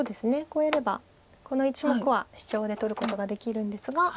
こうやればこの１目はシチョウで取ることができるんですが。